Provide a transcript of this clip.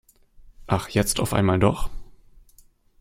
Ach, jetzt auf einmal doch?